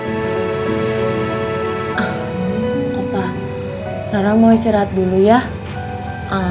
ah opah rara mau istirahat dulu ya